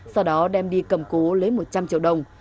sau đó đem đi cầm cố lấy một trăm linh triệu đồng